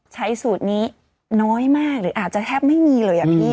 ใช้สูตรนี้น้อยมากหรืออาจจะแทบไม่มีเลยอะพี่